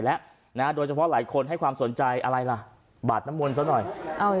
เราก็ให้โชคกลับมาบ้างสิ